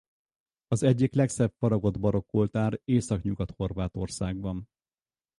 Az egyik legszebb faragott barokk oltár Északnyugat-Horvátországban.